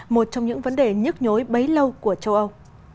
một trong những vấn đề nhức nhối bấy lâu của châu âu